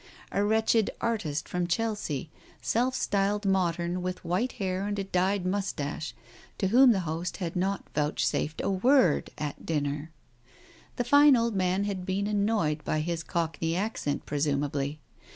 A wretched artist from Chelsea, self styled modern, with white hair and a dyed moustache, to whom the host had not vouchsafed a word all dinner ! The fine old man had been annoyed by his cockney accent, presumably.